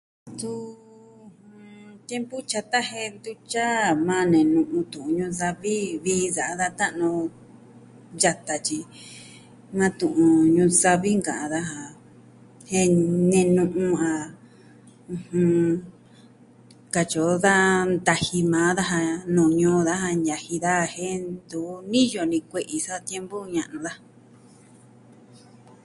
Tun tiempu tyata jen ntutyi a maa nenu'un tu'un Ñuu Savi, vii sa'a da ta'nu yata, tyi ma tu'un Ñuu Savi nka'an daja jen nenu'un a maa ntaji maa daja nuu ñuu daja ñaji daja jen ntu niyo ni kue'i sa tiempu ña'nu daja.